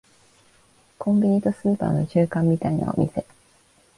コンビニとスーパーの中間みたいなお店